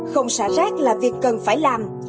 không xả rác là việc cần phải làm